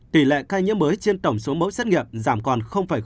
tỷ lệ cây nhiễm mới trên tổng số mẫu xét nghiệm giảm còn ba